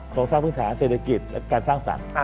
โครงสร้างพื้นฐานเศรษฐกิจและการสร้างสรรค์